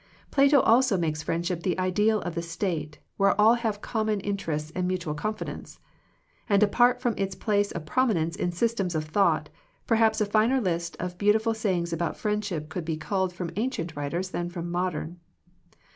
Plato also makes friendship the ideal of the state, where all have common inter ests and mutual confidence. And apart from its place of prominence in systems of thought, perhaps a finer list of beautiful sayings about friendship could be culled from ancient writers than from modern.